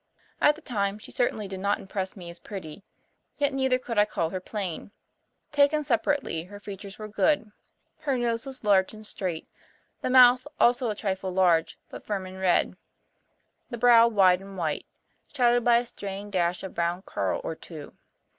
At the time she certainly did not impress me as pretty, yet neither could I call her plain. Taken separately, her features were good. Her nose was large and straight, the mouth also a trifle large but firm and red, the brow wide and white, shadowed by a straying dash of brown curl or two.